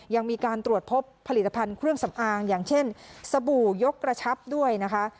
ยังมีการตรวจพบผลิตภัณฑ์เครื่องสำอางอย่างเช่นสบู่ยกกระชับด้วยนะคะ